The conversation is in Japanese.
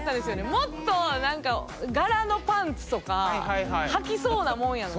もっと何か柄のパンツとかはきそうなもんやのに。